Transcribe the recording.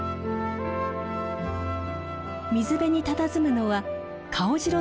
水辺にたたずむのはカオジロ